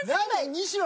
西野